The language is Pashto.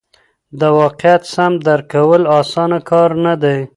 د واقعیت سم درک کول اسانه کار نه دی.